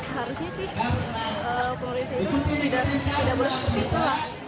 harusnya sih pengurus itu tidak boleh seperti itu